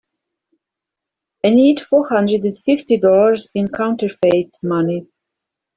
I need four hundred and fifty dollars in counterfeit money.